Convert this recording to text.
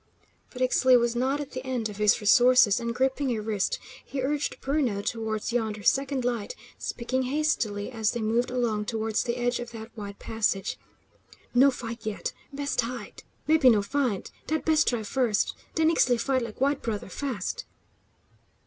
But Ixtli was not at the end of his resources, and gripping a wrist, he urged Bruno towards yonder second light, speaking hastily as they moved along towards the edge of that wide passage. "No fight, yet. Best hide; mebbe no find; dat best try first. Den Ixtli fight like white brother, fast!"